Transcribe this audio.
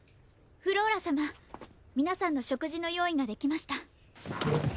フローラ様皆さんの食事の用意ができました。